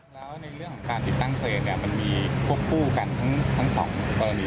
แล้วในเรื่องของการติดตั้งเครนเนี่ยมันมีควบคู่กันทั้งสองกรณี